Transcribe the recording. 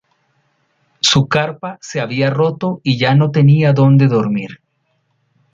Su carpa se había roto y ya no tenía donde dormir.